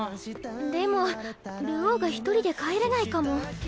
でも流鶯が一人で帰れないかも。